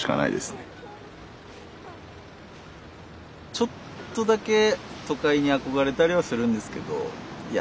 ちょっとだけ都会に憧れたりはするんですけどいや